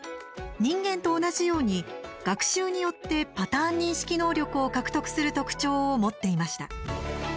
人間と同じように、学習によってパターン認識能力を獲得する特徴を持っていました。